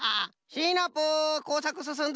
シナプーこうさくすすん